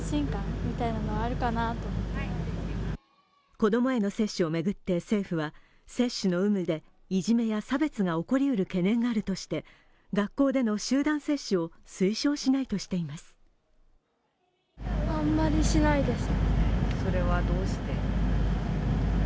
子供への接種を巡って政府は、接種の有無でいじめや差別が起こりうる懸念があるとして学校での集団接種を推奨しないとしています。